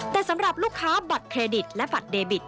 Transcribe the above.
แต่สำหรับลูกค้าบัตรเครดิตและบัตรเดบิต